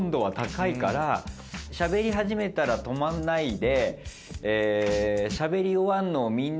しゃべり始めたら止まんないで。